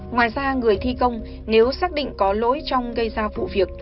ngoài ra người thi công nếu xác định có lỗi trong gây ra vụ việc